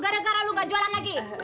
gara gara lu ga jualan lagi